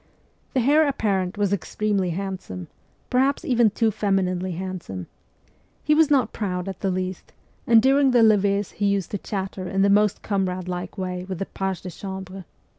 The heir apparent was extremely handsome per haps, even too femininely handsome. He was not proud in the least, and during the levees he used to chatter in the most comradelike way with the pages de cham bre.